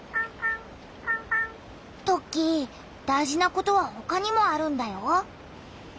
トッキー大事なことはほかにもあるんだよ。